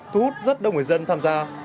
thu hút rất đông người dân tham gia